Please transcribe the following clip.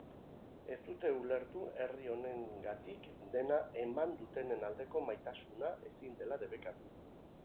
Ez dute ulertu herri honengatik dena eman dutenen aldeko maitasuna ezin dela debekatu.